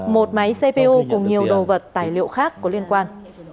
một máy cpu cùng nhiều đồ vật tài liệu khác có liên quan